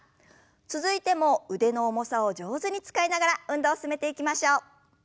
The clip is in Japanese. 続いても腕の重さを上手に使いながら運動を進めていきましょう。